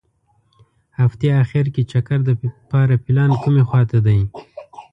هغتې اخیر کې چکر دپاره پلان کومې خوا ته دي.